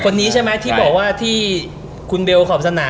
คนนี้ใช่มั้ยที่บอกว่าคุณเบลเขาขอบสนาม